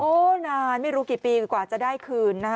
โอ้นานไม่รู้กี่ปีกว่าจะได้คืน